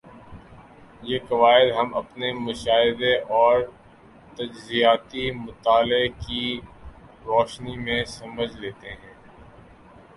یہ قواعد ہم اپنے مشاہدے اور تجزیاتی مطالعے کی روشنی میں سمجھ لیتے ہیں